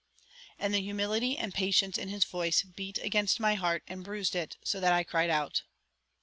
And the humility and patience in his voice beat against my heart and bruised it so that I cried out.